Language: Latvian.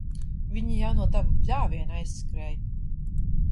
Viņi jau no tava bļāviena aizskrēja.